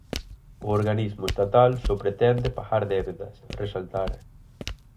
O organismo estatal só pretende "pagar débedas", resaltara.